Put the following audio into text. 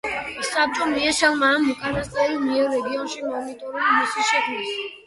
საბჭომ, მიესალმა ამ უკანასკნელის მიერ, რეგიონში მონიტორინგის მისიის შექმნას.